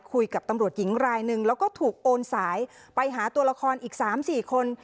คุยกับตำรวจหญิงรายหนึ่งแล้วก็ถูกโอนสายไปหาตัวละครอีก๓๔คน